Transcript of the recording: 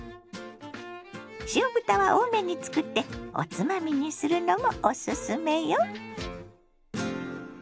塩豚は多めに作っておつまみにするのもおすすめよ。